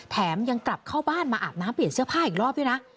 ยังกลับเข้าบ้านมาอาบน้ำเปลี่ยนเสื้อผ้าอีกรอบด้วยนะ